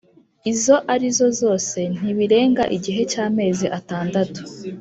izo arizo zose ntibirenga igihe cy amezi atandatu